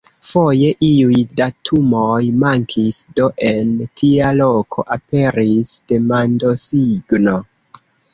Foje iuj datumoj mankis, do en tia loko aperis demandosigno.